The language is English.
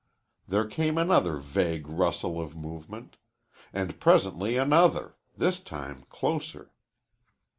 There came another vague rustle of movement. And presently another, this time closer.